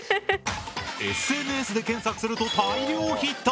ＳＮＳで検索すると大量ヒット！